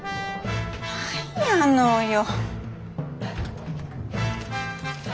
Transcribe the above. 何やのよ。